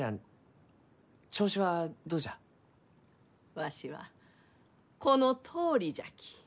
わしはこのとおりじゃき。